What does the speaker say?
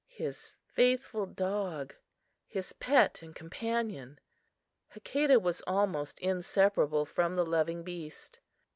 His faithful dog, his pet and companion Hakadah was almost inseparable from the loving beast.